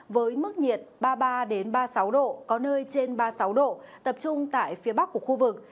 với mức nhiệt ba mươi ba ba mươi sáu độ có nơi trên ba mươi sáu độ tập trung tại phía bắc của khu vực